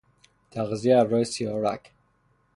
تغذیه از راه سیاهرگ